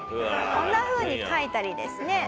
こんなふうに書いたりですね。